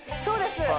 そうです